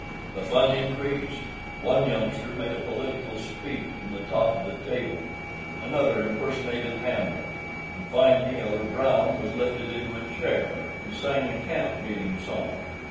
The fun increased. One youngster made a political speech from the top of the table; another impersonated Hamlet; and finally Elder Brown was lifted into a chair, and sang a camp meeting song.